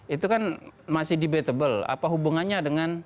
itu kan masih debatable apa hubungannya dengan